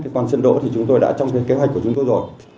còn sân độ thì chúng tôi đã trong kế hoạch của chúng tôi rồi